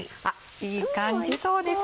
いい感じそうですよ。